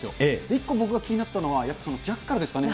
１個、僕が気になったのはジャッカルですかね。